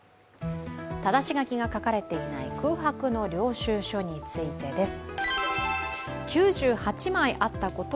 ただし書きが書かれていない空白の領収書についてです。